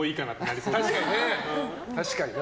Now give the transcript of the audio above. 確かにな。